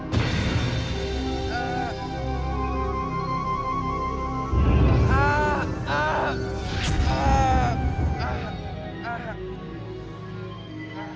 bukakan apaun apa pun itu